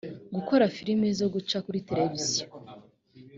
gukora filimi zo guca kuri televiziyo